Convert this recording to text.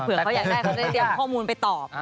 เขาอยากได้เขาได้เตรียมข้อมูลไปตอบ